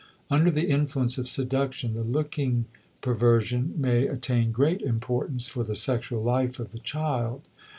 Under the influence of seduction the looking perversion may attain great importance for the sexual life of the child.